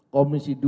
komisi ii dpr ri